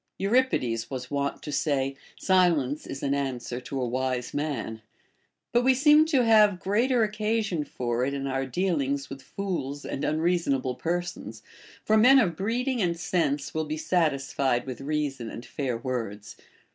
Euripides was wont 70 BASHFULNESS. to say, Silence is an answer to a Avise man ;* but we seem to have greater occasion for it in our dealings with fools and unreasonable persons, for men of breeding and sense will be satisfied with reason and fair words.